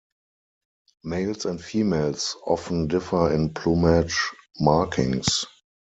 Males and females often differ in plumage markings.